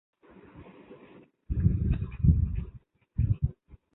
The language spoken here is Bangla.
চলচ্চিত্রটি দর্শক সমালোচকদের প্রত্যাশার প্রতিদান দিতে পারে নি।